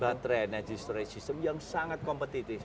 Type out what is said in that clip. baterai energy storage system yang sangat kompetitif